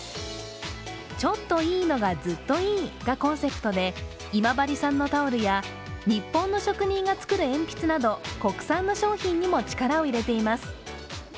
「ちょっといいのが、ずっといい」がコンセプトで今治産のタオルや日本の職人が作る鉛筆など国産の商品にも力を入れています。